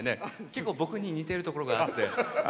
結構、僕に似てるところがあって。